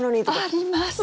あります！